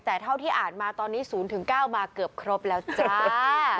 แต่เท่าที่อ่านมาตอนนี้๐๙มาเกือบครบแล้วจ้า